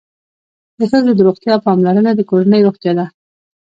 د ښځو د روغتیا پاملرنه د کورنۍ روغتیا ده.